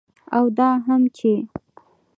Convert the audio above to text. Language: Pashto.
او دا هم چې